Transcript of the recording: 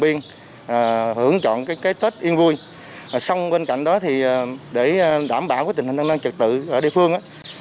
biên hưởng chọn tết yên vui xong bên cạnh đó để đảm bảo tình hình an ninh trật tự ở địa phương